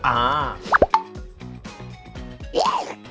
อ่า